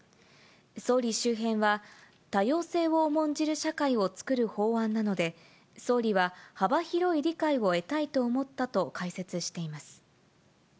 総理周辺は、多様性を重んじる社会を作る法案なので、総理は幅広い理解を得たいと思ったと解説しています。